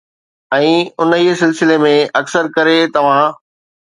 ۽ انهي سلسلي ۾، اڪثر ڪري توهان